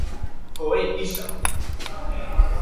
Kohei Isa